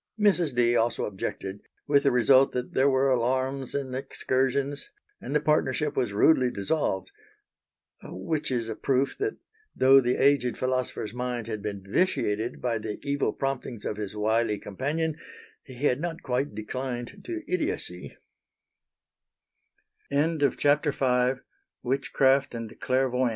Mrs. Dee also objected, with the result that there were alarums and excursions and the partnership was rudely dissolved which is a proof that though the aged philosopher's mind had been vitiated by the evil promptings of his wily companion he had not quite declined to idiocy.